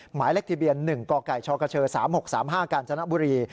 หมายเลขทะเบียน๑กกชกช๓๖๓๕กาญจนบุรี